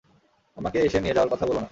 আমাকে এসে নিয়ে যাওয়ার কথা বোলো না।